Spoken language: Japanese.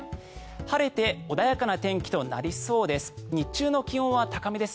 晴れて穏やかな天気となりそうです。